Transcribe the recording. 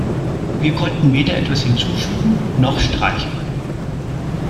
Wir konnten weder etwas hinzufügen noch streichen.